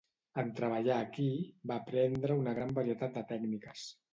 En treballar aquí, va aprendre una gran varietat de tècniques.